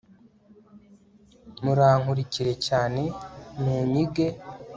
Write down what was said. murankurikire cyane, munyige